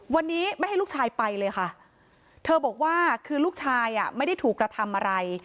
วันนี้ไม่ให้ลูกชายไปเลยค่ะเธอบอกว่าคือลูกชายอ่ะไม่ได้ถูกกระทำอะไร